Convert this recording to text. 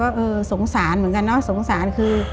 ก็สงสารแล้วก็สงสาร